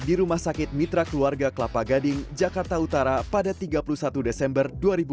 di rumah sakit mitra keluarga kelapa gading jakarta utara pada tiga puluh satu desember dua ribu dua puluh